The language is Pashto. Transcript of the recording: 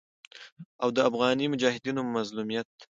او د افغاني مجاهدينو مظلوميت